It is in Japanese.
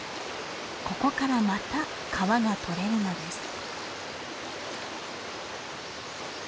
ここからまた皮が取れるのです。